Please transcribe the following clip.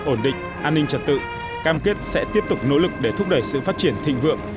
ổn định an ninh trật tự cam kết sẽ tiếp tục nỗ lực để thúc đẩy sự phát triển thịnh vượng